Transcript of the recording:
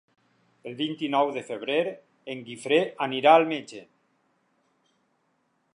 El vint-i-nou de febrer en Guifré anirà al metge.